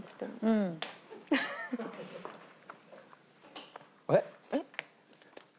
うん。えっ？